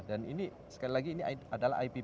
dan ini sekali lagi ini adalah